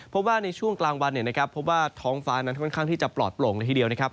เพราะว่าในช่วงกลางวันเนี่ยนะครับพบว่าท้องฟ้านั้นค่อนข้างที่จะปลอดโปร่งเลยทีเดียวนะครับ